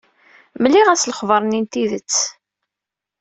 Mliɣ-as lexber-nni n tidet.